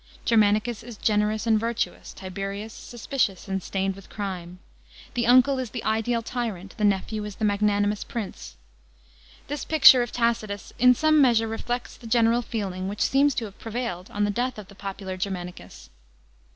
Germanicus is generous and virtuous; Tiberius suspicious and stained with crime. The uncle is the ideal tyrant, the nephew is the magnanimous prince. This picture of Tacitus hi some measure reflects the general feeling which seems to have pre vailed on the death of the popular Germanicus.